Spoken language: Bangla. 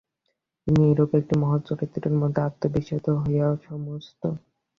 তিনি এইরূপ একটি মহৎ চরিত্রের মধ্যে আত্মবিশ্বত হুইয়া সমস্ত।